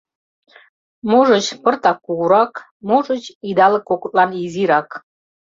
Можыч, пыртак кугурак, можыч, идалык-кокытлан изирак.